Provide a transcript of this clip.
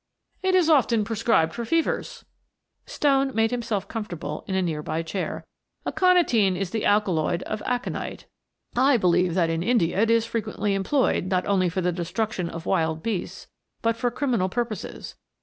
"It is often prescribed for fevers." Stone made himself comfortable in a near by chair. "Aconitine is the alkaloid of aconite. I believe that in India it is frequently employed, not only for the destruction of wild beasts, but for criminal purposes.